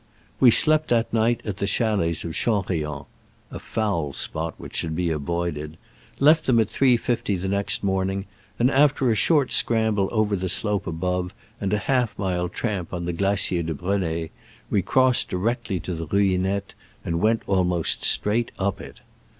We slept that night at the chalets of Chanrion (a foul spot, which should be avoided), left them at 3.50 the next morning, and after a short scramble over the slope above, and a half mile tramp on the Glacier de Breney, we crossed directly to the Ruinette, and went almost straight up it.